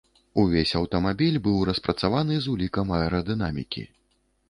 Увесь аўтамабіль быў распрацаваны з улікам аэрадынамікі.